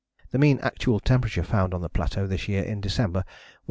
The mean actual temperature found on the plateau this year in December was 8.